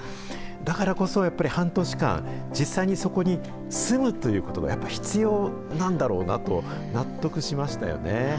だからこそやっぱり半年間、実際にそこに住むということが、やっぱり必要なんだろうなと、納得しましたよね。